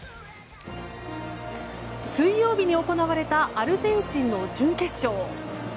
水曜日に行われたアルゼンチンの準決勝。